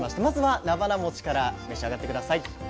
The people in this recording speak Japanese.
まずはなばなもちから召し上がって下さい。